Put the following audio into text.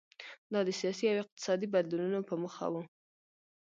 دا د سیاسي او اقتصادي بدلونونو په موخه و.